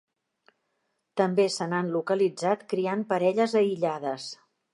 També se n'han localitzat criant parelles aïllades.